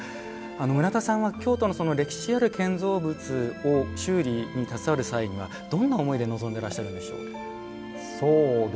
村田さんは京都の歴史ある建造物を修理に携わる際にはどんな思いで臨んでいらっしゃるんでしょうか。